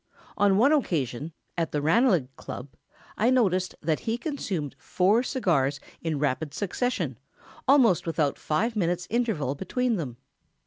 On one occasion, at the Ranelagh Club, I noticed that he consumed four cigars in rapid succession, almost without five minutes' interval between them.